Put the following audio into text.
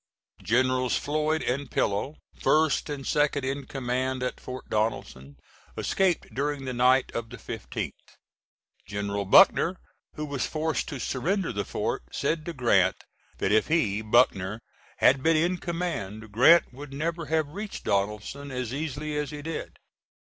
Generals Floyd and Pillow, first and second in command at Port Donelson, escaped during the night of the 15th. General Buckner, who was forced to surrender the fort, said to Grant that if he, Buckner, had been in command Grant would never have reached Donelson as easily as he did.